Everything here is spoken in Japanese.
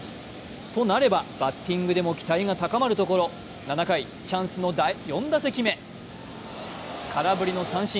となればバッティングでも期待が高まるところ７回、チャンスの第４打席目、空振りの三振。